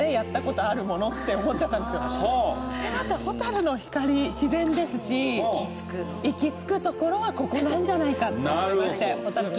ってなったら『蛍の光』自然ですし行き着くところはここなんじゃないかと思いまして『蛍の光』。